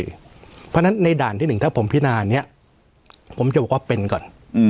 เพราะฉะนั้นในด่านที่๑ถ้าผมพินานี้ผมจะบอกว่าเป็นก่อน